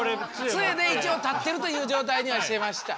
つえで一応立ってるという状態にはしてました。